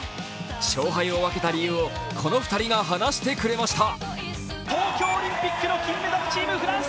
勝敗を分けた理由をこの２人が話してくれました。